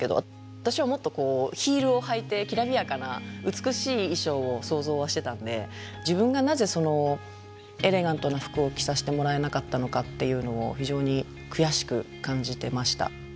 私はもっとこうヒールを履いてきらびやかな美しい衣装を想像はしてたんで自分がなぜエレガントな服を着させてもらえなかったのかっていうのを非常に悔しく感じてました。